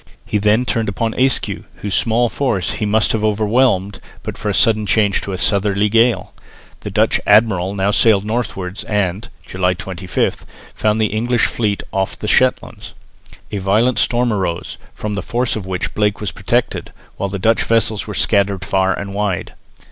He then turned upon Ayscue, whose small force he must have overwhelmed, but for a sudden change to a southerly gale. The Dutch admiral now sailed northwards and (July 25) found the English fleet off the Shetlands. A violent storm arose, from the force of which Blake was protected, while the Dutch vessels were scattered far and wide.